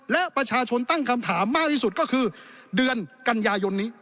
และประชาชนตั้งคำถามมากที่สุดก็คือเดือนกันยายนนี้